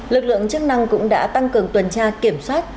lực lượng chức năng cũng đã tăng cường tuần tra kiểm soát